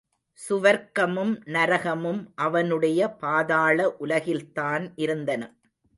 சுவர்க்கமும் நரகமும் அவனுடைய பாதாள உலகில்தான் இருந்தன.